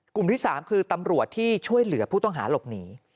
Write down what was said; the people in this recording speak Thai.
กลุ่มที่๓คือตำรวจที่ช่วยเหลือผู้ต้องหาหลบหนี